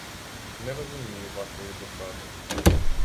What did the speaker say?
Не розумію вашої досади.